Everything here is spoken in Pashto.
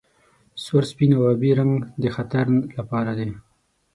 سور سپین او ابي رنګ د خطر لپاره دي.